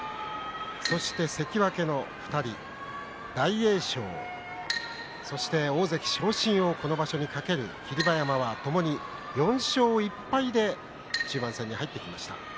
そして関脇の２人大栄翔そして大関昇進をこの場所に懸ける霧馬山はともに４勝１敗で中盤戦に入ってきました。